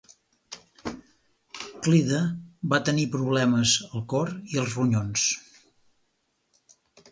Clyde va tenir problemes al cor i als ronyons.